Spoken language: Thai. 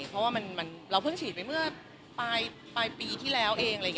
เพราะว่าเราเพิ่งฉีดไปเมื่อปลายปีที่แล้วเอง